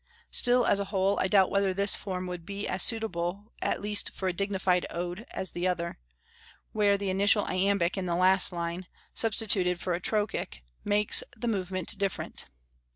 Still, as a whole, I doubt whether this form would be as suitable, at least for a dignified Ode, as the other, where the initial iambic in the last line, substituted for a trochec, makes the movement different.